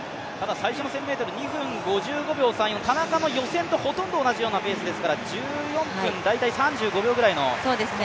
最初の１０００ｍ２分５５秒３４、田中の予選とほとんど同じようなペースですから１４分３５秒くらいの。